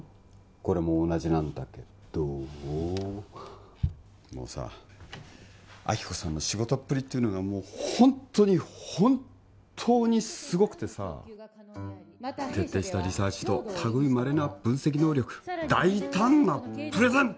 これも同じなんだけどおもうさ亜希子さんの仕事っぷりっていうのがもうホントにホントーにすごくてさ徹底したリサーチと類いまれな分析能力大胆なプレゼン！